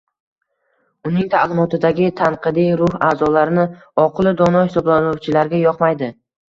Uning ta’limotidagi tanqidiy ruh o‘zlarini oqilu dono hisoblovchilarga yoqmaydi